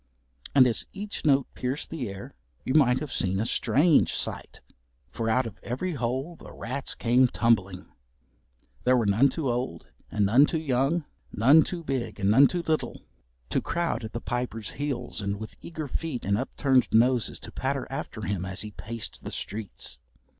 And as each note pierced the air you might have seen a strange sight. For out of every hole the rats came tumbling. There were none too old and none too young, none too big and none too little to crowd at the Piper's heels and with eager feet and upturned noses to patter after him as he paced the streets.